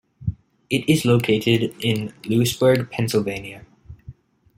It is located in Lewisburg, Pennsylvania.